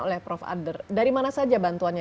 oleh prof adder dari mana saja bantuannya